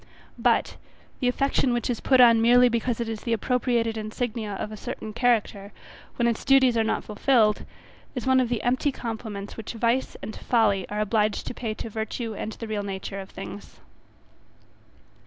But, the affection which is put on merely because it is the appropriated insignia of a certain character, when its duties are not fulfilled is one of the empty compliments which vice and folly are obliged to pay to virtue and the real nature of things.